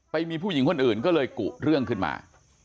ไปมีผู้หญิงคนอื่นก็เลยกุเรื่องขึ้นมา